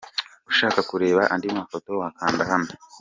Ushaka kureba andi mafoto wakanda hano.